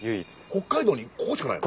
北海道にここしかないの？